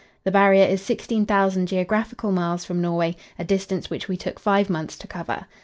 The Barrier is 16,000 geographical miles from Norway, a distance which we took five months to cover.